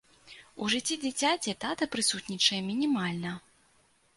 У жыцці дзіцяці тата прысутнічае мінімальна.